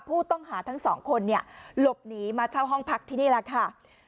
ผู้ต้องหาทั้งสองคนเนี่ยหลบหนีมาเช่าห้องพักที่นี่แหละค่ะ